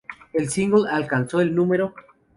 El single alcanzó el No.